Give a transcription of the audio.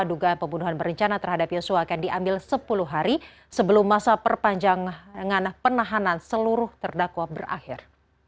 dugaan pembunuhan berencana terhadap yosua akan diambil sepuluh hari sebelum masa perpanjangan penahanan seluruh terdakwa berakhir